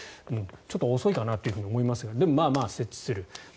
ちょっと遅いかなって思いますけどでも、まあ設置すると。